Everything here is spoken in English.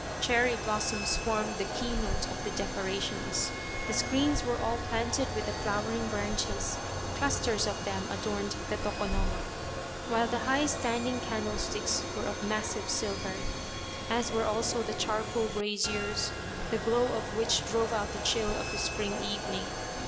Cherry blossoms formed the keynote of the decorations ; the screens were all planted with the flowering branches, clusters of them adorned the tokonoma ; while the high standing candlesticks were of massive silver, as were also the charcoal braziers, the glow of which drove out the chill of the spring evening.